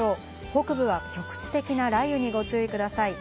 北部は局地的な雷雨にご注意ください。